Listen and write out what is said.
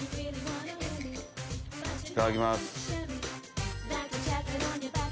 いただきます。